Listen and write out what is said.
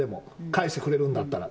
返してくれるんだったら。